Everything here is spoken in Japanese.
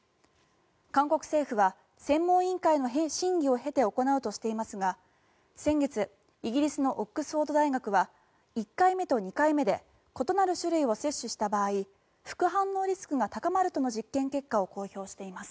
韓国政府は専門委員会の審議を経て行うとしていますが先月、イギリスのオックスフォード大学は１回目と２回目で異なる種類を接種した場合副反応リスクが高まるとの実験結果を公表しています。